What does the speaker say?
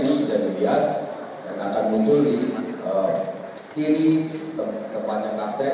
ini jadi lihat yang akan muncul di kiri tempatnya nakteng